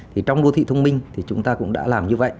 thì trong đô thị thông minh thì chúng ta cũng đã làm như vậy